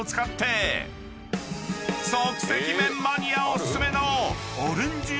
［即席麺マニアお薦めの］